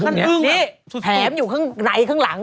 เป็นร่อยอีก๓๔เดือนครั้ง